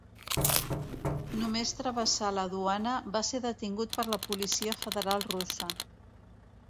Només travessar la duana va ser detingut per la policia federal russa.